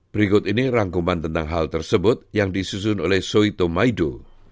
berikut ini rangkuman tentang hal tersebut yang disusun oleh soito maido